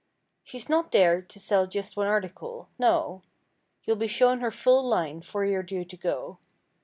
She's not there to sell just one article—No! You'll be shown her full line 'fore you're due to go.